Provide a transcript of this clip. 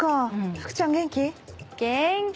福ちゃん元気？